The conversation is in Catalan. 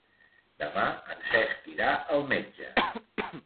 Demà en Cesc irà al metge.